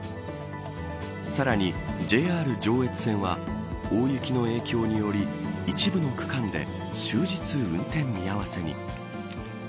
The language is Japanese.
さらに、ＪＲ上越線は大雪の影響により一部の区間で終日運転見合わせに。